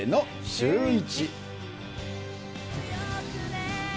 シューイチ。